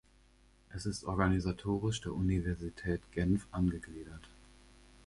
Es ist organisatorisch der Universität Genf angegliedert.